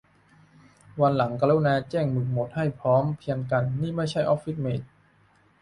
วันหลังกรุณาแจ้งหมึกหมดให้พร้อมเพรียงกัน นี่ไม่ใช่ออฟฟิศเมท